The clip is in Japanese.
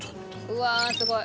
うわあすごい！